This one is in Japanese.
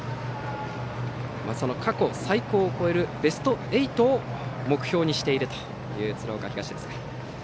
その過去最高を超えるベスト８を目標にしている鶴岡東です。